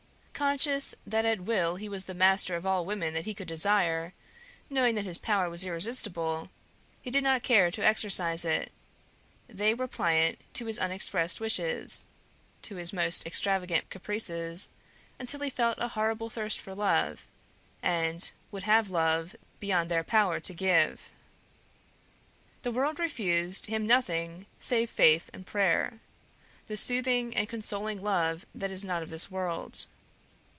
Conscious that at will he was the master of all the women that he could desire, knowing that his power was irresistible, he did not care to exercise it; they were pliant to his unexpressed wishes, to his most extravagant caprices, until he felt a horrible thirst for love, and would have love beyond their power to give. The world refused him nothing save faith and prayer, the soothing and consoling love that is not of this world.